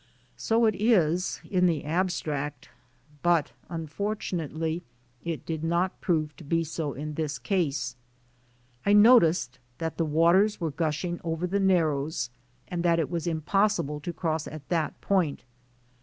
So it is in the abstract. But unfortunately it did not prove to be so in this case. I noticed that the waters were gushing over the narrows and that it was impossible to cross at that point.